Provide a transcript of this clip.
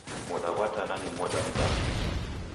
Moda ghwa Tana ni moda mbaha.